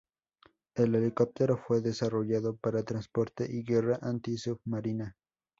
El helicóptero fue desarrollado para transporte y guerra anti-submarina.